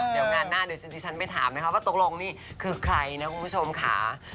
เดี๋ยวงานหน้าเดี๋ยวที่ฉันไปถามนะคะว่าตกลงนี่คือใครนะคุณผู้ชมค่ะ